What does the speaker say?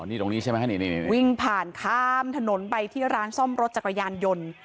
นี่ตรงนี้ใช่ไหมนี่วิ่งผ่านข้ามถนนไปที่ร้านซ่อมรถจักรยานยนต์